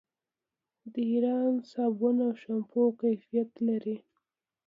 د ایران صابون او شامپو کیفیت لري.